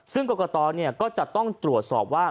ซึ่งกรกตก็จะต้องตรวจสอบว่า